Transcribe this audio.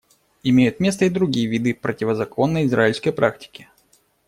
Имеют место и другие виды противозаконной израильской практики.